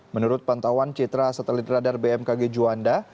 menurut pantauan citra satelit radar bmkg juanda